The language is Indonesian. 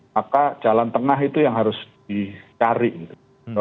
maka jalan tengah itu yang harus dicari gitu